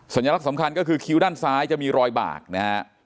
สัญลักษณ์สำคัญก็คือคิ้วด้านซ้ายจะมีรอยบากนะฮะ